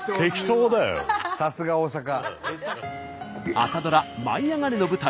朝ドラ「舞いあがれ！」の舞台